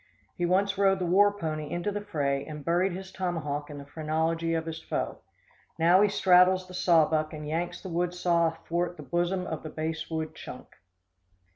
He once rode the war pony into the fray and buried his tomahawk in the phrenology of his foe. Now he straddles the saw buck and yanks the woodsaw athwart the bosom of the basswood chunk.